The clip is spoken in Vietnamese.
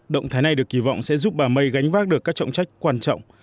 động thái này được kỳ vọng sẽ giúp bà may gánh vác được các trọng trách quan trọng